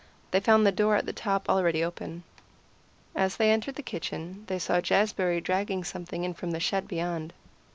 They found the door at the top already open. As they entered the kitchen they saw Jazbury dragging something in from the shed beyond.